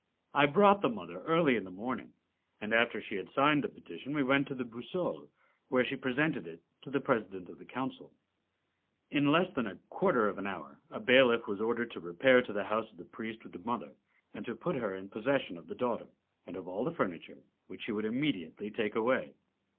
I brought the mother early in the morning, and after she had signed the petition we went to the Boussole, where she presented it to the President of the Council. In less than a quarter of an hour a bailiff was ordered to repair to the house of the priest with the mother, and to put her in possession of her daughter, and of all the furniture, which she would immediately take away.